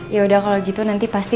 yaudah kalau gitu nanti pasti